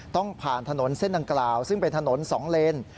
ต้องผ่านถนนเส้นดังกล่าวซึ่งเป็นถนน๒เลน